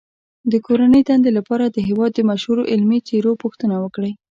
د کورنۍ دندې لپاره د هېواد د مشهورو علمي څیرو پوښتنه وکړئ.